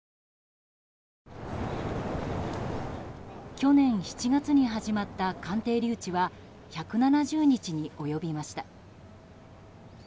去年７月に始まった鑑定留置は１７０日に及びました。